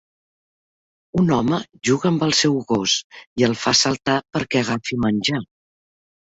Un home juga amb el seu gos i el fa saltar perquè agafi menjar.